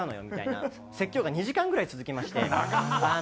みたいな説教が２時間ぐらい続きまして。